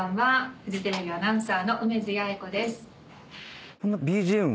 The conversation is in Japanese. フジテレビアナウンサーの梅津弥英子です」